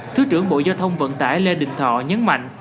thứ trưởng bộ giao thông vận tải lê đình thọ nhấn mạnh